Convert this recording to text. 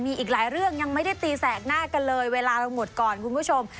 มีอีกหลายเรื่องยังไม่ได้ตีแสกหน้ากันเลยเวลาเราหมดก่อนคุณผู้ชม